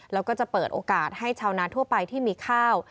แล้วก็จะเปิดโอกาสให้ชาวนาทั่วไปที่มีข้าว